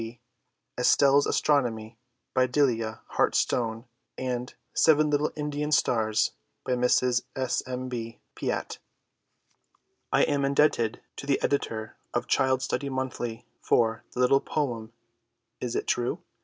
K. B.; "Estelle's Astronomy," by Delia Hart Stone; and "Seven Little Indian Stars," by Mrs. S. M. B. Piatt. I am indebted to the editor of Child Study Monthly for the little poem "Is It True?"